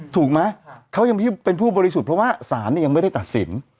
ถูกไหมเขายังเป็นผู้บริสุทธิ์เพราะว่าศาลยังไม่ได้ตัดสิน